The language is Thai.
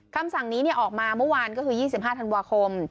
คำสั่งนี้ออกมาเมื่อวานก็คือ๒๕ธันวาคม